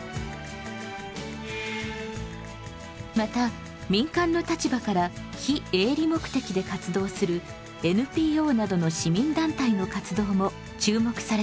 また民間の立場から非営利目的で活動するＮＰＯなどの市民団体の活動も注目されています。